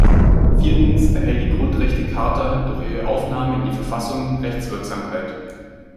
Viertens erhält die Grundrechtecharta durch ihre Aufnahme in die Verfassung Rechtswirksamkeit.